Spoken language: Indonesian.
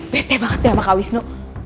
bete banget ya sama kak wisnu